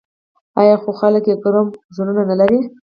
آیا خو خلک یې ګرم زړونه نلري؟